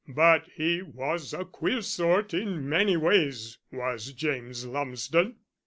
But he was a queer sort in many ways, was James Lumsden."